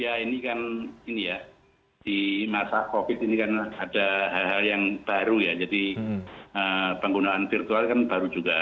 ya ini kan ini ya di masa covid ini kan ada hal hal yang baru ya jadi penggunaan virtual kan baru juga